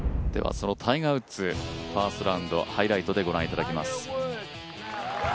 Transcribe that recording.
そのタイガー・ウッズ、ファーストラウンドをハイライトでご覧いただきます。